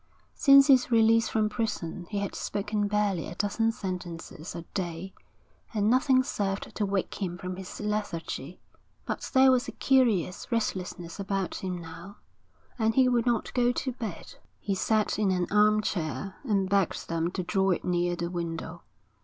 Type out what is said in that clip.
Since his release from prison he had spoken barely a dozen sentences a day, and nothing served to wake him from his lethargy. But there was a curious restlessness about him now, and he would not go to bed. He sat in an armchair, and begged them to draw it near the window.